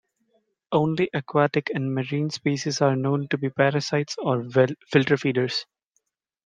Only aquatic and marine species are known to be parasites or filter feeders.